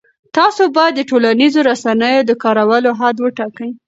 تاسو باید د ټولنیزو رسنیو د کارولو حد وټاکئ.